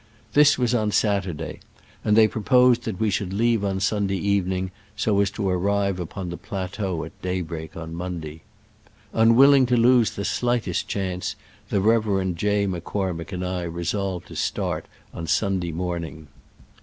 This was on Saturday, and they proposed that we should leave on Sun day evening, so as to arrive upon the plateau at daybreak on Monday. Un willing to lose the slightest chance, the Rev. J. M'Cormick and I resolved to start on Sunday morning.